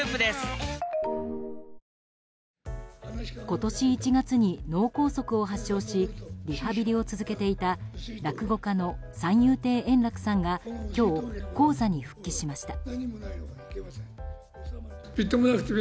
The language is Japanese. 今年１月に脳梗塞を発症しリハビリを続けていた落語家の三遊亭円楽さんが今日、高座に復帰しました。